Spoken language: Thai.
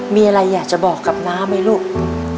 มีอะไรอยากจะบอกกับน้าไหมลูก